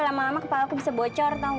lama lama kepala gue bisa bocor tau ga